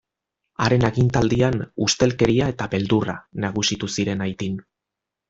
Haren agintaldian ustelkeria eta beldurra nagusitu ziren Haitin.